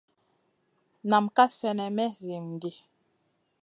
Nam ka slenè may zihim ɗi.